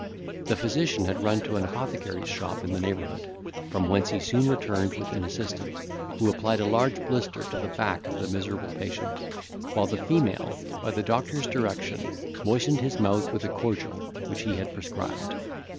The physician had run to an apothecary's shop in the neighbourhood, from whence he soon returned with an assistant, who applied a large blister to the back of the miserable patient, while the female, by the doctor's direction, moistened his mouth with a cordial which he had prescribed.